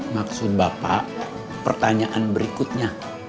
maksud bapak pertanyaan berikutnya